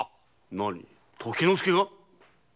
何時之介が？